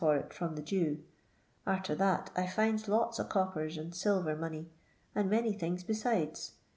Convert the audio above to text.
for it from the Jew ; arter that I finds lots o' coppers, and silver money, and many things besides.